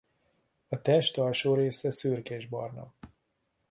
A test alsó része szürkésbarna.